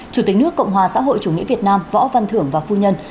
chủ tịch nước cộng hòa xã hội chủ nghĩa việt nam võ văn thưởng và phu nhân